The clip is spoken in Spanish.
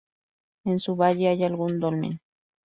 En su valle hay algún dolmen.